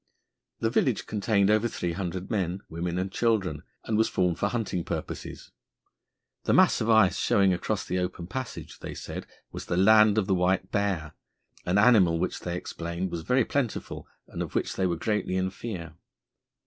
The village contained over three hundred men, women, and children, and was formed for hunting purposes. The mass of ice showing across the open passage, they said, was the land of the white bear, an animal which, they explained, was very plentiful and of which they were greatly in fear.